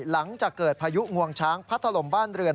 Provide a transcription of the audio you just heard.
หลังจากเกิดพายุงวงช้างพัดถล่มบ้านเรือน